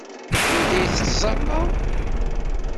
Anda ay tettẓallaḍ?